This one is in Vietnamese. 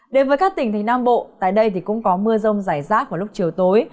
đến với các tỉnh thành nam bộ tại đây thì cũng có mưa rông rải rác vào lúc chiều tối